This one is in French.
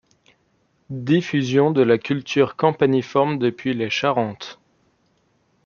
Diffusion de la culture campaniforme depuis les Charentes.